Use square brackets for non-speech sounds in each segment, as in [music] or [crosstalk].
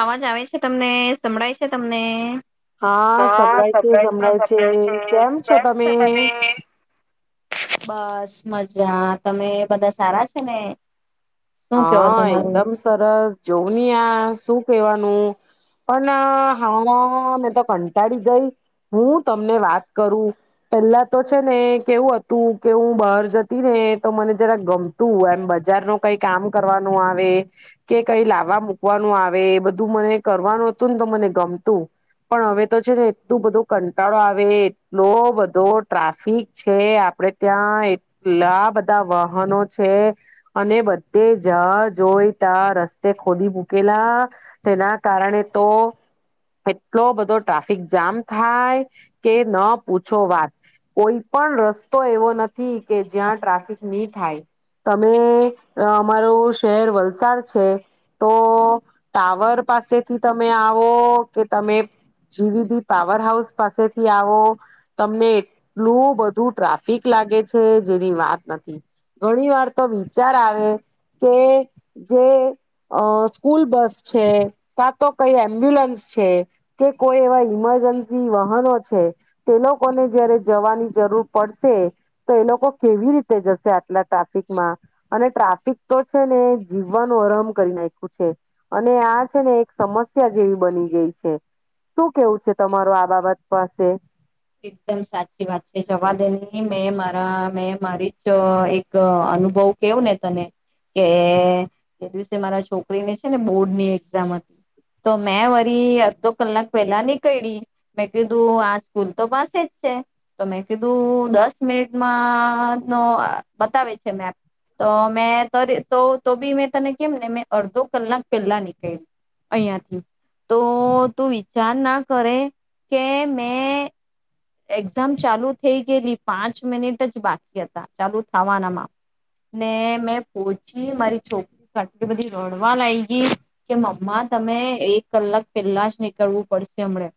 અવાજ આવે છે, તમને સંભળાય છે, તમને. હા સંભળાય છે, સંભળાય છે, કેમ છો તમે. બસ મજા તમે બધા સારા છે, ને. શું કેવો હા તમારું એકદમ સરસ જોવું નહી આ. શું કેવાનું પણ હા મેં તો કંટાળી ગઈ હું તમને વાત કરું પેલા તો છે ને કેવું હતું કેવું બહાર જતી ને તો મને જરા ગમતું એમ બજાર ન કઈ કામ કરવાનું આવે કે કઈ લાવવા મૂકવાનું આવે બધું મને કરવાનું હતું ને તો મને ગમતું પણ હવે તો છે, ને એટલું બધું કંટાળો આવે એટલો બધો ટ્રાફિક છે, આપડે ત્યાં એટલા બધા વાહનો છે, અને [unintelligible] જ જોઈતા રસ્તે ખોદી મૂકેલા તેના કારણે તો એટલો બધો ટ્રાફિક જામ થાય કે ન પૂછો વાત કોઈ પણ રસ્તો એવો નથી કે જ્યાં ટ્રાફિક નહી થાય તમે. અમારું શહેર વલસાડ છે, તો ટાવર પાસેથી તમે આવો કે તમે જીવીબી પાવર હાઉસ પાસેથી આવો તમને એટલું બધું ટ્રાફિક લાગે છે, જેની વાત નથી ઘણી વાર તો વિચાર આવે. કે જે સ્કૂલ બસ છે, કાં તો કઈ એમ્બ્યુલન્સ છે, કે કોઈ એવા ઈમરજન્સી વાહનો છે તે લોકોને જયારે જવાની જરૂર પડશે તો એ લોકો કેવી રીતે જશે આટલા ટ્રાફિકમાં. અને ટ્રાફિક તો છે, ને જીવવાનો આરામ કરી નાખ્યું છે, અને આ છે ને એક સમસ્યા જેવી બની ગઈ છે, શું કેવું છે, તમારો આ બાબત પાસે. એકદમ સાચી વાત છે, જવા દેની મેં મારા મેં મારી જ એક અનુભવ કેવું ને તને કે જે દિવસે મારા છોકરીને છે, ને બોર્ડ ની એક્ઝામ હતી તો મેં વરી અડધો કલાક પેલા નીકી મેં કીધું આ [unintelligible] તો મેં કીધું દસ મિનિટમાં ન બતાવે છે, મેપ તો મે તો બી મે તને કેમને મે અડધો કલાક પેલા નીકળ અહંથી તો તું વિચાર ના કરે કે મે. એક્ઝામ ચાલુ થઈ ગયેલી પાંચ મિનિટ જ બાકી હતા, ચાલુ થવાનામાં, ને મેં પહચી મારી છોકરી આટલી બધી રડવા લાગી ગઈ, કે મમ્મા તમે એક કલાક પેલા જ નીકળવું પડશે હમણાં,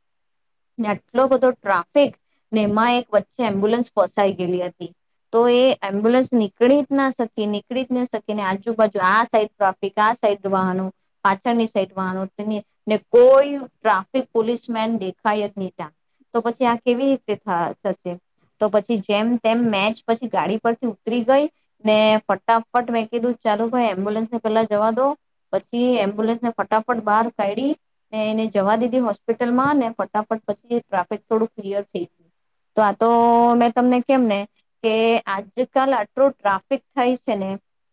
આટલો બધો ટ્રાફિક એમાં એક વચ્ચે એમ્બ્યુલન્સ ફસાઈ ગયેલી હતી, તો એ એમ્બ્યુલન્સ નીકળી જ ના શકી નીકળી જ ના શકી, ને આજુબાજુ આ સાઈડ ટ્રાફિક આ સાઈડ વાહનો પાછળની સાઈડ વાનું તેને કોઈ ટ્રાફિક પોલીસ મેન દેખાય જ નહ ત્યાં. તો પછી આ કેવી રીતે થશે, તો પછી જેમ તેમ મેચ પછી ગાડી પરથી ઉતરી ગઈ, ને ફટાફટ મેં કીધું ચાલુ ભાઈ એમ્બ્યુલન્સને પેલા જવા દો, પછી એમ્બ્યુલન્સને ફટાફટ બહાર કાઢી, ને એને જવા દીધી હોસ્પિટલમાં ફટાફટ પછી ટ્રાફિક થોડું ક્લિયર થઈ ગયું, તો આ તો મેં તમને કેમ ને, કે આજકાલ આટલું ટ્રાફિક થાય છે ને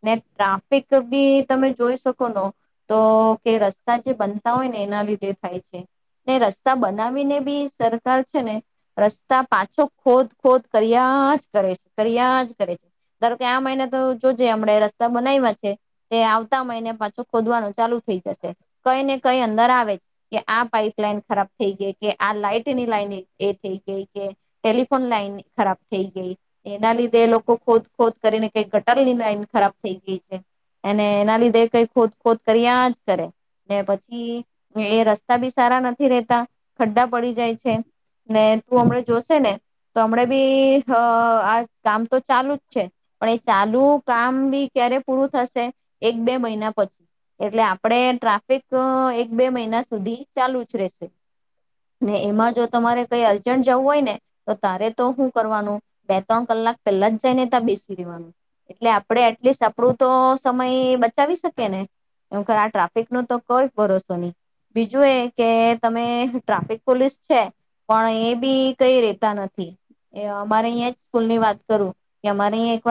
ને ટ્રાફિક બી તમે જોઈ શકો નો તો કે રસ્તા જે બનતા હોય ને એના લીધે થાય છે, ને રસ્તા બનાવીને બી સરકાર છે, ને રસ્તા પાછો ખોદ ખોદ કર્યા જ કરે છે કર્યા જ કરે છે, ધારો કે આ મહિને તો જોજે હમણાં રસ્તા બનાવીમાં છે, તે આવતા મહિને પાછો ખોદવાનું ચાલુ. થઈ જશે, કઈ ને કઈ અંદર આવે જ. કે આ પાઈપ લઈન ખરાબ થઈ ગઈ કે આ લાઈટ ની લાઈન એ થઈ ગઈ કે, ટેલિફોન લાઈન ખરાબ થઈ ગઈ, એના લીધે લોકો ખોદ ખોદ કરીને કઈ ગટલની લાઈન ખરાબ થઈ ગઈ છે, અને એના લીધે કઈ ખોદ ખોદ કરી આજ કરે, ને પછી એ રસ્તા બી સારા નથી રેતા, ખડ્ડા પડી જાય છે. ને તું હમણા જોશે ને તો હમ બી આ કામ તો ચાલુ જ છે, પણ એ ચાલુ. કામ બી ક્યારે પૂરું થશે, એક બે મહિના પછી એટલે આપડ ટ્રાફિક એક બે મહિના સુધી ચાલુ જ રહેશે, ને એમાં જો તમારે કઈ અર્જન્ટ જવું હોય ને, તો તારે તો શું કરવાનું બે ત્રણ કલાક પહેલા જ જાય ને ત્યાં બેસી દેવાનું, એટલે આપણે એટલીસ્ટ આપણું તો સમય બચાવી શકીને, એ આ ટ્રાફિક નો તો કોઈ ભરોસો નહી, બીજું એ કે તમે ટ્રાફિક પોલીસ છે, પણ એ બી કઈ રેતા નથી, અમારે અહીંયા જ સ્કૂલ ની વાત કરું, કે અમારે અહીંયા એક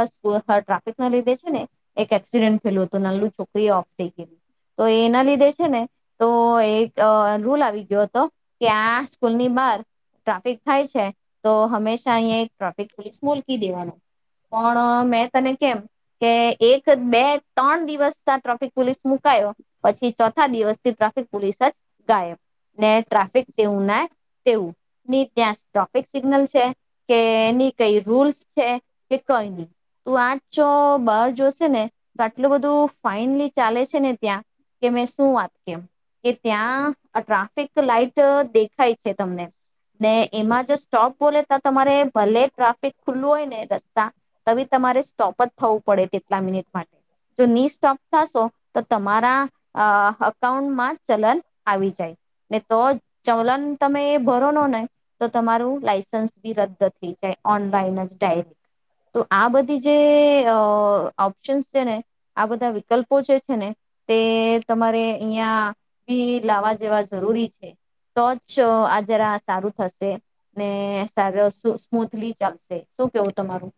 વાર ટ્રાફિક ના લીધે છે ને, એક એક્સિડન્ટ થયેલું હતું નાલુ છોકરી એ ઓફ થઈ, ગયલી તો એના લીધે છે ને તો એક રૂલ આવી ગયો હતો, કે આ સ્કૂલની બાર, ટ્રાફિક થાય છે, તો હંમેશા અહીં ટ્રાફિક પોલીસ મકી દેવાનું, પણ મેં તને કેમ કે એક બે ત્રણ દિવસ ટ્રાફિક પોલીસ મુકાયો, પછી ચોથા દિવસથી ટ્રાફિક પોલીસ જ ગાયબ, ને ટ્રાફિક દવું ના તેવું જ ની ત્યાં સોપિક સિગ્નલ છે કે એની કઈ રૂલ્સ છે કે કઈ નહી, તું આ બહાર જોશે ને તો આટલું બધું ફાઈનલી ચાલે છે ને ત્યાં કે મેં શું વાત કેમ, કે ત્યાં આ ટ્રાફિક લાઈટ દેખાય છે. તમને, ને એમાં જો સ્ટોપ બોલે તો તમારે ભલે ટ્રાફિક ખુલ્લું હોય ને રસ્તા, ત તમારે સ્ટોપ જ થવું પડે તેટલા મિનિટ માટે, જો નિસ્ટોપ થશો તો તમારા અઉન્ટમાં ચલન આવી જાય, ને તો ચલન તમે એ ભરો ન ને તો તમારું લાઈસન્સ બી રદ થઈ જાય ઓનલાઈન જ ડાયરેક્ટ, તો આ બધી જે ઓપ્શન્સ છે ને, આ બધા વિકલ્પો જે છે ને તે તમારે અહીં બી લાવવા જેવા જરૂરી છે, તો આ જરા સારું થશે, ને સાર સ્મૂથલી ચાલશે શું કેવું તમારું.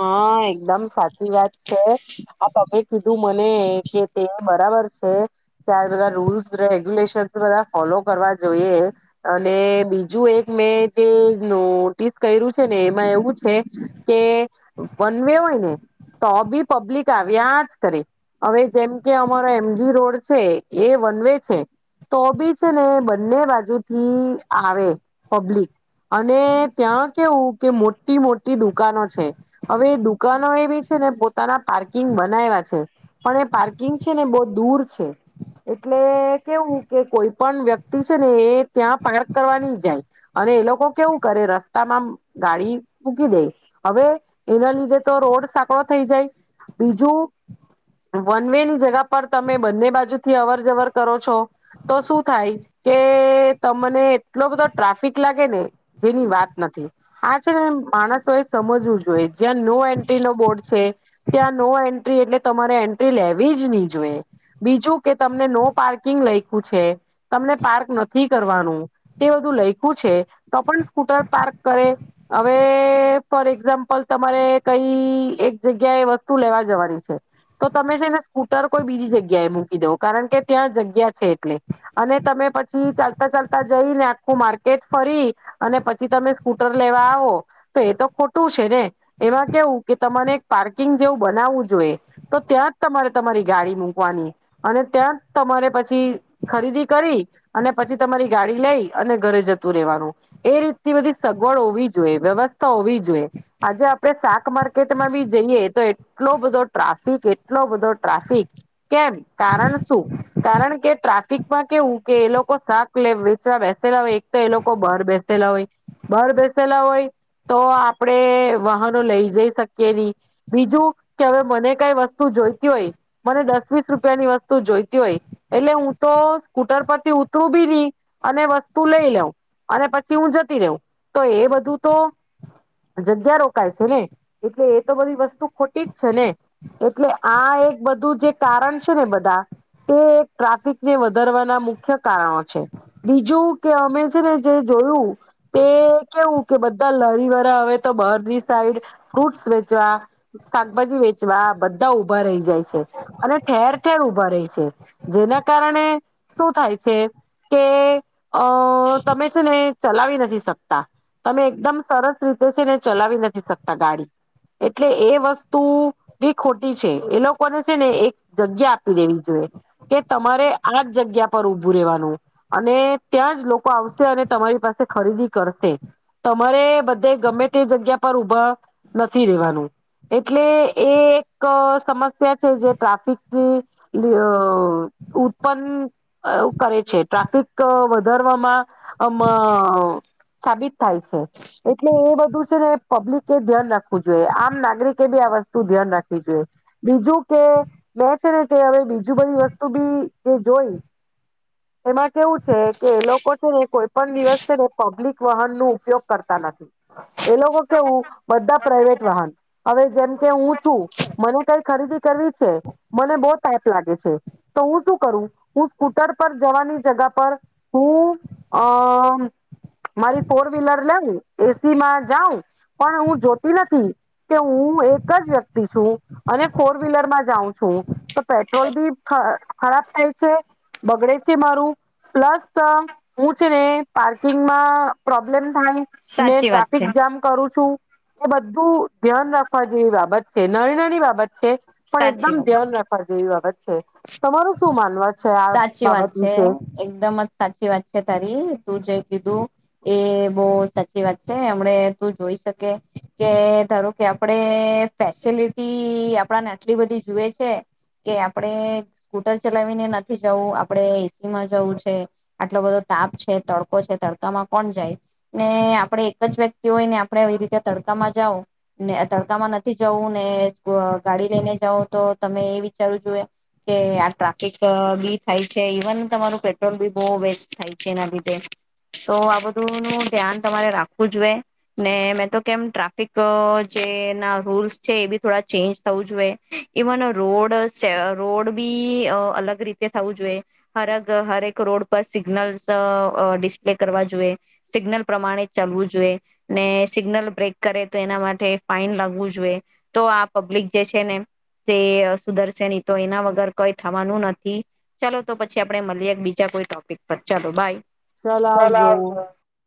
હા એકદમ સાચી વાત છે, આ તમે કીધું મને કે તે બરાબર છે, તાર બધા રૂલ્સ રેગ્યુલેશન બધા ફોલો કરવા જોઈએ, અને બીજું એક મેં જે નોટિસ કર્યું છે ને એમાં એવું છે, કે વનવે હોય ને તો બી પબ્લિક લિક આવ્યા જ કરે, હવે જેમ કે અમારો એમજી રોડ છે એ વન વ છે, તો બી છે ને બંને બાજુથી આવે પબ્લિક અને ત્યાં કેવું કે મો મોટી મોટી દુકાનો છે. હવે દુકાનો એવી છે ને પોતાના પાર્કિંગ બનાવ્યા છે, પણ એ પાર્કિંગ છે ને બહ દૂર છે, એટલે કેવું કે કોઈ પણ વ્યક્તિ છે ને એ ત્યાં પાર્ક કરવાની જાય, અને એ લોકો કેવું કરે રસ્તામાં ગાડી મૂકી દે, હવે એના લીધે તો રોડ સાંકડો થઈ જાય, બીજું વન વે ની જગા પર તમે બંને બાજુથી અવર જવર કરો છો, તો શું થાય કે તમને એટલો બધો ટ્રાફિક લાગે ને, જેની વાત નથી આ છે ને માણસો એ સમજવું જોઈએ. જ્યાં નો એન્ટ્રીનો બોર્ડ છે ત્યાં નો એન્ટ્રી એટલે તમારે એન્ટ્રી લેવી જ નહી જોએ, બીજું કે તમને નો પાર્કિંગ લઈખ્યું છે તમને પાર્ક નથી કરવાનું તે બધું લઈખું છે, તો પણ સ્કૂટર પાર્ક કરે, હવે ફોર એક્ઝામ્પલ તમારે કઈ એક જગ્યા એ વસ્તુ લેવા જવાની છે, તો તમે છે ને સ્કૂટર કોઈ બીજી જગ્યા એ મૂકી દવ કારણ કે ત્યાં જગ્યા છે, એટલે અને તમે પછી ચાલતા ચાલતા જઈને આખું માર્કેટ ફરી, અને પછી તમે સ્કૂટર લેવા આવો, તો એ તો ખોટું છે ને. એમાં કેવું કે તમારે એક પાર્કિંગ જેવું બનાવવું જોઈએ, તો ત્યાં જ તમારે તમારી ગાડી મૂકવાની, અને ત્યાં જ તમારે પછી ખરીદી કરી, અને પછી તમારી ગાડી લઈ અને ઘરે જતું રેવાનું, એ રીતથી બધી સગવડ હોવી જોઈએ વ્યવસ્થા હોવી જોઈએ. આજે આપડે શાક માર્કેટમાં બી જઈએ તો એટલો બધો ટ્રાફિક એટલો બધો ટ્રાફિક, કેમ કારણ શું, કારણ કે ટ્રાફિકમાં કેવું કે એ લોકો શાક વેચવા બેસેલા હોય એક તો એ લોકો બહાર બેસેલા હોય, બહાર બેસેલા હોય તો આપડે વાહનો લઈ જઈ શકીએ નહી બીજું કે હવે મને કઈ વસ્તુ જોઈતી હોય મને દસ વીસ રૂપિયાની વસ્તુ જોઈતી હોય એટલે હું તો સ્કૂટર પરથી ઉતરું બી રહી અને વસ્તુ લઈ લઉં અને પછી હું જતી રવ તો એ બધું તો જગ્યા રો ને એટલે એ તો બધી વસ્તુ ખોટી જ છે ને એટલે આ એક બધું જે કારણ છે ને બધા તે ટ્રાફિક ને વધારવાના મુખ્ય કારણો છે બીજું કે અમે છે ને જે જોયું તે કેવું કે બધા લરી વાળા હવે તો બહાર સાઈડ ફ્રૂટસ વેચવા શાકભાજી વેચવા બધા ઉભા રહી જાય છે અને ઠેર ઠેર ઉભા રહી છે જેના કારણે શું થાય છે કે અ તમે છે ને ચલાવી નથી શકતા તમે એકદમ સરસ રીતે છે ને ચલાવી નથી. શકતા ગાડી, એટલે એ વસ્તુ ખોટી છે એ લોકોને ને એક જગ્યા આપી દેવી જોઈએ કે તમારે આ જ જગ્યા પર ઉભું રહેવાનું અને ત્યાં જ લોકો આવશે અને તમારી પાસે ખરીદી કરશે તમારે બધે ગમે તે જગ્યા પર ઉભા નથી રેવાનું એટલે એ એક સમસ્યા છે જે ટ્રાફિકની ઉત્પન કરે છે ટ્રાફિક વધારવામાંમ સાબિત થાય છે એટલે એ બધું છે ને પબ્લિકે ધ્યાન રાખવું જોઈએ આમ નાગરિકે બી આ વસ્તુ ધ્યાન રાખવી જોઈએ બીજું કે મેં છે ને તે હવે બીજ બધી વસ્તુ બી જે જોઈ એમાં કેવું છે કે એ લોકો છે ને કોઈ પણ દિવસ છે ને પબ્લિક વાહન નુ ઉપયોગ કરતા નથી એ લોકો કેવું બધા પ્રાઈવેટ વાહન હવે જેમ કે હું છું મને કાઈ ખરીદી કરવી છે મને બહુ તાપ લાગે છે તો હું શું કરું હું સ્કૂટર પર જવાની જગા પર હું અ મારી ફોર વ્લર લેઉ એસી માં જાઉં પણ હું જોતી નથી કે હું એક જ વ્યક્તિ છું અને ફોર વ્હીલરમાં જાઉં છું તો પેટ્રોલ બી ખરાબ થાય છે બગડે છે મારું પ્લસ હું છે ને પાર્કિંગમાં પ્રોબ્લેમ થાય ને સાચી વાત ટ્રાફિક છે જામ કરું છ શું એ બધું ધ્યાન રાખવા જેવી બાબત છે નરણની બાબત છે. પણ સાચી એકદમ વાત ધ્યાન રાખવા જોઈ વાત. છ તમારું શું માનવા મેં? સાચી વાત છે. એકદમ જ સાચી વાત છે તારી તું જે કીધું. એ બહુ સાચી વાત છે એમણે તું જોઈ શકે કે ધારો કે આપડે ફેસિલિટી આપડાને આટલી બધી જુએ છે કે આપડે સ્કૂટર ચલાવીને નથી જવું આપડે એસી માં જવું છે આટલો બધો તાપ છે તડકો છે તડકામાં કોણ જાય ને આપડે એક જ વ્યક્તિ હોય ને આપણે એ રીતે તડકામાં જાઓ ને તડકામાં નથી જવું ને ગાડી લઈને જઓ તો તમે એ વિચારવું જોઈએ કે આ ટ્રાફિક થાય છે ઇવન તમારું પેટ્રોલ બી બહુ વેસ્ટ થાય છે એના લીધે તો આ બધું નું ધ્યાન તમારે રાખવું જોઈએ ને મેં તો કેમ ટ્રાફિક જે ના રૂલ્સ છે એ બી થોડા ચેન્જ થવું જોઈએ ઇવન રોડ રોડ બી અલગ રીતે થવું જોઈએ હર હરેક રોડ પર સિગ્નલસ ડિસ્પ્લે કરવા જોઈએ સિગ્નલ પ્રમાણે ચાલવું જોઈએ ને સિગ્નલ બ્રેક કરે તો એના માટે ફાઈન લાગવું જોઈએ તો આ પબ્લિક જે છે ને તે સુધરશે નહી તો એના વગર કઈ થવાનું નથી. ચાલો તો પછી આપડે મળએ બીજા કોઈ ટોપીક. ચાલો બાય ચાલ આવજો.